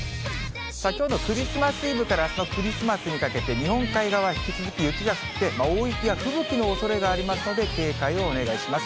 きょうのクリスマス・イブからあすのクリスマスにかけて、日本海側、引き続き雪が降って、大雪や吹雪のおそれがありますので、警戒をお願いします。